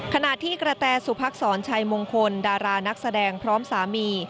ขณะที่กระแตสุพักษรชัยมงคลดารานักแสดงพร้อมสามี